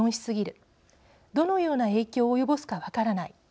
「どのような影響を及ぼすか分からない」。